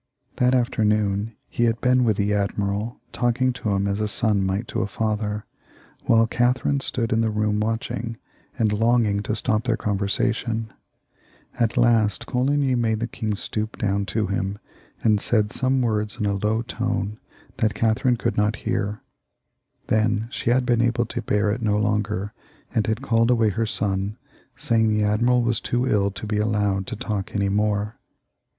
That afternoon he had been with the admiral, talking to him as a son might to a father, while Catherine stood in the room watching and longing to stop their conversa tion. At last Coligny made the king stoop down to him, and said some words in a low tone that Catherine could not hear. Then she had been able to bear it no longer, and had called away her son, saying the admiral was too ill to be allowed to talk any more.